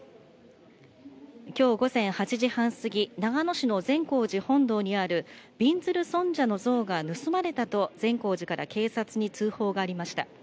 きょう午前８時半過ぎ、長野市の善光寺本堂にある、びんずる尊者の像が盗まれたと、善光寺から警察に通報がありました。